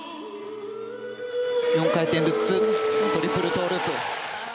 ４回転ルッツトリプルトウループ。